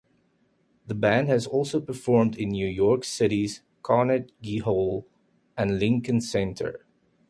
The band has also performed in New York City's Carnegie Hall and Lincoln Center.